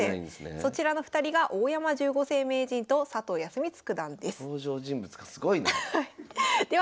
そちらの２人が大山十五世名人と佐藤康光九段です。登場人物がすごいなあ。